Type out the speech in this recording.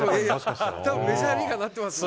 たぶんメジャーリーガーになってますよ。